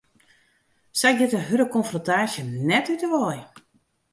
Sy giet de hurde konfrontaasje net út 'e wei.